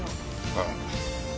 ああ。